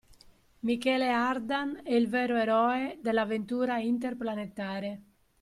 Michele Ardan è il vero eroe dell’avventura interplanetare.